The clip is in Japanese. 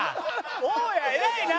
大家偉いな！